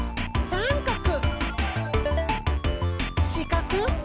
さんかく！